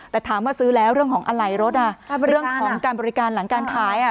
แต่ถามว่าซื้อแล้วเรื่องของอะไรรถอ่ะเรื่องของการบริการหลังการขายอ่ะ